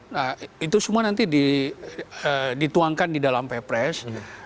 nah itu semua nanti dituangkan di dalam ppres